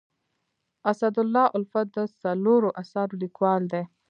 اسدالله الفت د څلورو اثارو لیکوال دی.